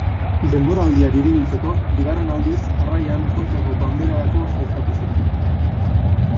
Denboraldia biribiltzeko bigarren aldiz jarraian Kontxako Banderarako sailkatu ziren.